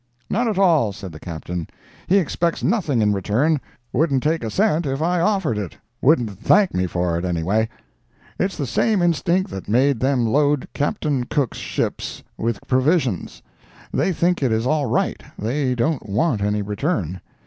"None at all," said the Captain; "he expects nothing in return—wouldn't take a cent if I offered it—wouldn't thank me for it, anyway. It's the same instinct that made them load Captain Cook's ships with provisions. They think it is all right—they don't want any return.